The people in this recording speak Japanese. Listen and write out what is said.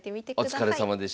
お疲れさまでした。